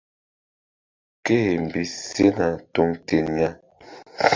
Ké-e mbi sena tuŋ ten ya.